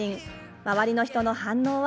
周りの人の反応は？